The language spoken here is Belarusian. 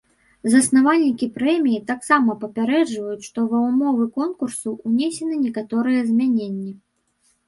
Заснавальнікі прэміі таксама папярэджваюць, што ва ўмовы конкурсу ўнесены некаторыя змяненні.